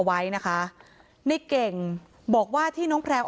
คำให้การในกอล์ฟนี่คือคำให้การในกอล์ฟนี่คือ